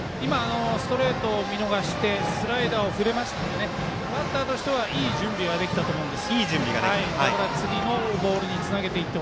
ストレートを見逃してスライダーを振りましたのでバッターとしてはいい準備ができたと思います。